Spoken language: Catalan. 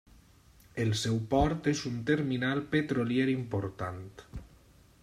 El seu port és un terminal petrolier important.